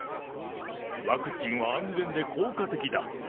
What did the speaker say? ワクチンは安全で効果的だ。